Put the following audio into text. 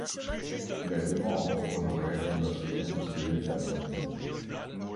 Il a été membre honoraire de la Société industrielle d’Amiens.